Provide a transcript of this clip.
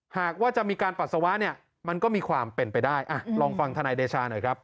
หากว่าจะมีการปัสสาวะเนี่ยมันก็มีความเป็นไปได้ลองฟังธนายเดชาหน่อยครับ